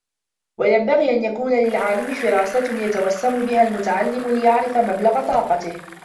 وَيَنْبَغِي أَنْ يَكُونَ لِلْعَالِمِ فِرَاسَةٌ يَتَوَسَّمُ بِهَا الْمُتَعَلِّمَ لِيَعْرِفَ مَبْلَغَ طَاقَتِهِ